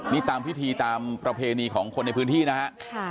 นี่ตามพิธีตามประเพณีของคนในพื้นที่นะฮะ